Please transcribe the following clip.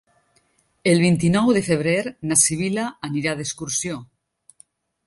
El vint-i-nou de febrer na Sibil·la anirà d'excursió.